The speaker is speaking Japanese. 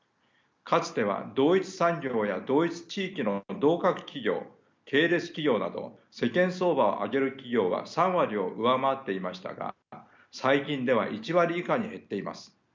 かつては同一産業や同一地域の同格企業系列企業など世間相場を挙げる企業は３割を上回っていましたが最近では１割以下に減っています。